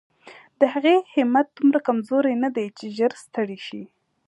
د هغې همت دومره کمزوری نه دی چې ژر ستړې شي.